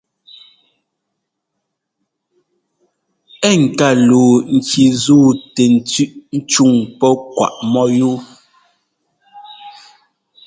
Ɛ́ ŋká luu ŋki zúu tɛ tsʉ́ꞌ cúŋ pɔ́ kwaꞌ mɔ́yúu.